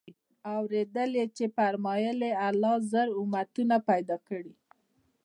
اورېدلي چي فرمايل ئې: الله زر امتونه پيدا كړي